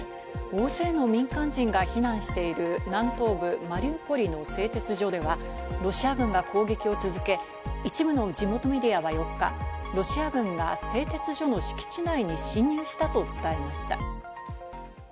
大勢の民間人が避難している南東部マリウポリの製鉄所では、ロシア軍が攻撃を続け、一部の地元メディアは４日、ロシア軍が製鉄所の敷地内に侵入したと伝えました。